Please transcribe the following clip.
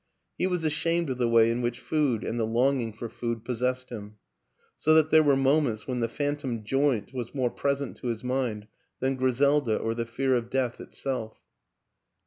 He was ashamed of the way in which food and the long ing for food possessed him so that there were moments when the phantom joint was more pres ent to his mind than Griselda or the fear of death itself.